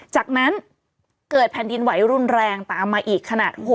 จากนั้นเกิดแผ่นดินไหวรุนแรงตามมาอีกขนาด